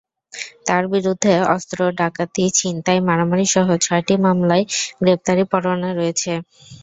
তাঁর বিরুদ্ধে অস্ত্র, ডাকাতি, ছিনতাই, মারামারিসহ ছয়টি মামলায় গ্রেপ্তারি পরোয়ানা রয়েছে।